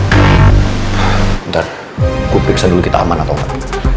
sebentar gue periksa dulu kita aman atau enggak